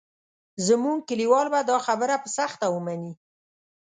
زموږ کلیوال به دا خبره په سخته ومني.